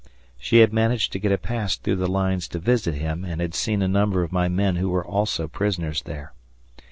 She had managed to get a pass through the lines to visit him and had seen a number of my men who were also prisoners there.